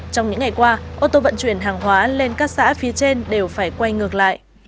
trong những ngày qua ô tô vận chuyển hàng hóa lên các xã phía trên đều phải quay ngược lại